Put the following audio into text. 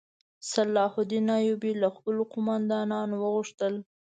صلاح الدین ایوبي له خپلو قوماندانانو وغوښتل.